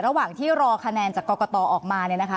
ระหว่างที่รอคะแนนจากกตออกมา